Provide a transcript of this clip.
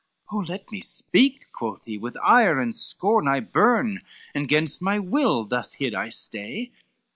XLIX "Oh, let me speak," quoth he, "with ire and scorn I burn, and gains, my will thus hid I stay!"